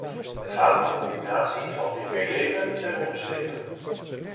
Het gaat om de combinatie van privéleven en beroepsleven.